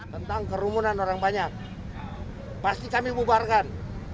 tentang kerumunan orang banyak pasti kami bubarkan